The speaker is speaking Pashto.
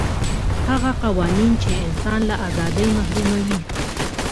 هغه قوانین چې انسان له ازادۍ محروموي.